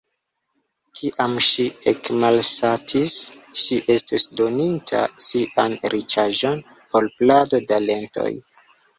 Kiam ŝi ekmalsatis, ŝi estus doninta sian riĉaĵon por plado da lentoj.